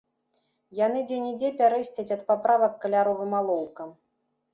Яны дзе-нідзе пярэсцяць ад паправак каляровым алоўкам.